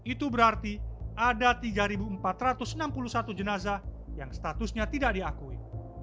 itu berarti ada tiga empat ratus enam puluh satu jenazah yang statusnya tidak diakui